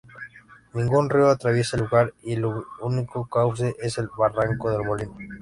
Ningún río atraviesa el lugar y el único cauce es el Barranco del Molino.